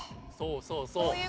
そうそうそう。